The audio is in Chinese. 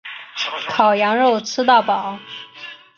烤羊肉吃到饱